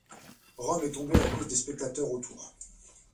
Rome est tombé à cause des spectateurs autour.